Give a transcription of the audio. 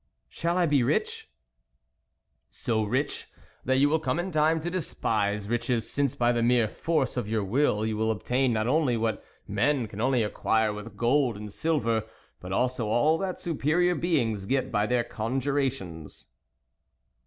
Shall I be rich ?"" So rich, that you will come in time to despise riches, since, by the mere force of your will, you will obtain not only what men can only acquire with gold and no THE WOLF LEADER silver, but also all that superior beings get by their conjurations."